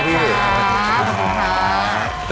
ขอบคุณครับ